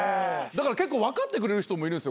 だから結構分かってくれる人もいるんすよ。